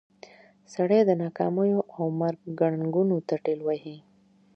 سړی د ناکاميو او مرګ ګړنګونو ته ټېل وهي.